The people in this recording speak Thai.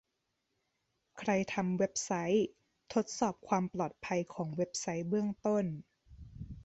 ใครทำเว็บไซต์ ทดสอบความปลอดภัยของเว็บไซต์เบื้องต้น